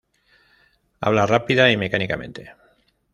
Habla rápido y mecánicamente.